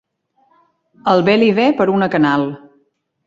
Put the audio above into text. El bé li ve per una canal.